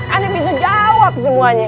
aneh bisa jawab semuanya